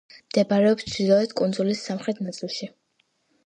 მდებარეობს ჩრდილოეთ კუნძულის სამხრეთ ნაწილში.